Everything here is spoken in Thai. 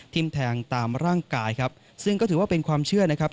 แทงตามร่างกายครับซึ่งก็ถือว่าเป็นความเชื่อนะครับ